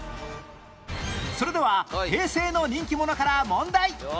それでは平成の人気者から問題